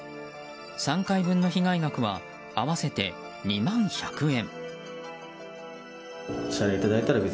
３回分の被害額は合わせて２万１００円。